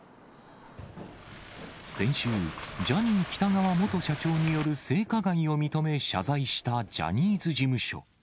先週、ジャニー喜多川元社長による性加害を認め、謝罪したジャニーズ事務所。